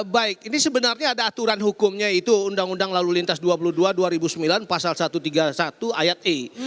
baik ini sebenarnya ada aturan hukumnya itu undang undang lalu lintas dua puluh dua dua ribu sembilan pasal satu ratus tiga puluh satu ayat e